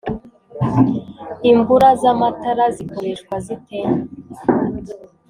imbura z’amatara zikoreshwa zite